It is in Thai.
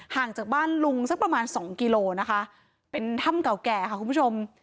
ห่างจากบ้านลุงสักประมาณสองกิโลนะคะเป็นถ้ำเก่าแก่ค่ะคุณผู้ชม